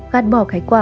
gạt bỏ cái quà